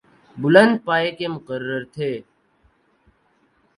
بلند پائے کے مقرر تھے۔